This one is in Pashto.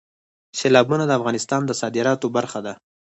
سیلابونه د افغانستان د صادراتو برخه ده.